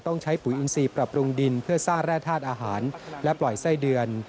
ต้องใช้ปุ๋ยอินซีปรับปรุงดินเพื่อสร้างแร่ธาตุอาหารและปล่อยไส้เดือน